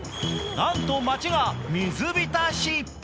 なんと、街が水浸し。